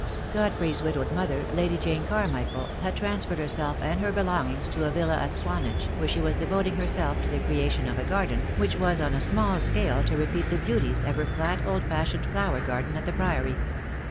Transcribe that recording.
Godfrey's widowed mother, Lady Jane Carmichael, had transferred herself and her belongings to a villa at Swanage, where she was devoting herself to the creation of a garden, which was on a small scale to repeat the beauties of her flat old fashioned flower garden at the Priory.